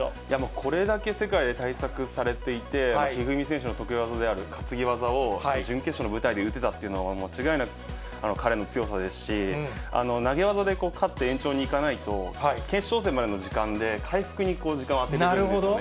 これだけ世界で対策されていて、一二三選手の得意技である担ぎ技を準決勝の舞台で打てたっていうのは、間違いなく彼の強さですし、投げ技で勝って延長にいかないと、決勝戦までの時間で、回復に時間を充てたいんですね。